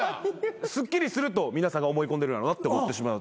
すっきりすると皆さんが思い込んでるんやろなって思ってしまうっていう感じ。